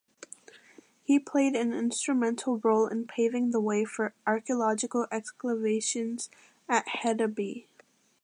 He played an instrumental role in paving the way for archaeological excavations at Hedeby.